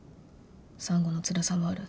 産後のつらさもある。